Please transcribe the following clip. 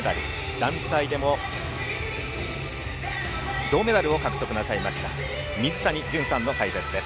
団体でも銅メダルを獲得なさいました水谷隼さんの解説です。